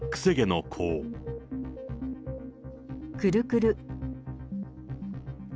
くるくる。